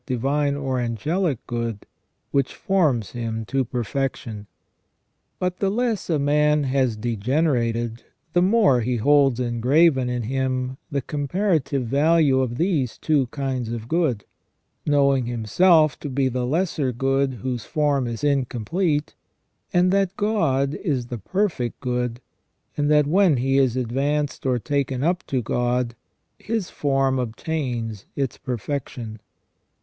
divine or angelic good which forms him to perfection. But the le; fs a man has degenerated, the more he holds engraven in him the comparative value of these two kinds of good, knowing himself to be the lesser good whose form is incomplete, and that God is the perfect good, and that when he is advanced or taken up to God, his form obtains its perfection.